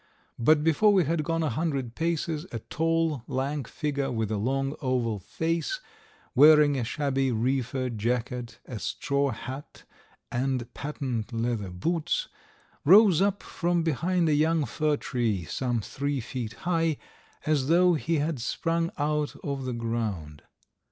But before we had gone a hundred paces a tall, lank figure with a long oval face, wearing a shabby reefer jacket, a straw hat, and patent leather boots, rose up from behind a young fir tree some three feet high, as though he had sprung out of the ground.